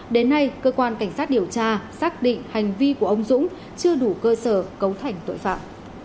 đến nay cơ quan cảnh sát điều tra xác định hành vi của ông dũng chưa đủ cơ sở cấu thành tội phạm